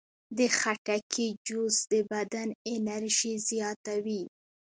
د خټکي جوس د بدن انرژي زیاتوي.